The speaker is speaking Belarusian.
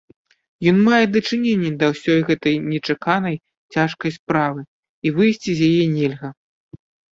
Ён мае дачыненне да ўсёй гэтай нечаканай, цяжкай справы, і выйсці з яе нельга.